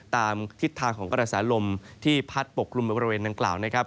ตามทิศทางของกระแสลมที่พัดปกกลุ่มบริเวณดังกล่าวนะครับ